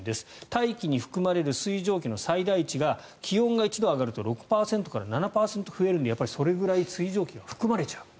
大気に含まれる水蒸気の最大値が気温が１度上がると６％から７％増えるのでやっぱりそれぐらい水蒸気が含まれちゃう。